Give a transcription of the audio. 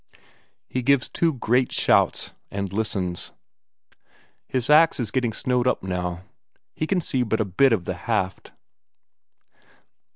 He gives two great shouts, and listens. His ax is getting snowed up now; he can see but a bit of the haft.